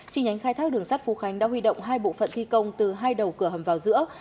chính nhánh khai thác đường sắt phú khánh đã huy động hai bộ phận thi công từ hai đầu cửa hầm vào giữa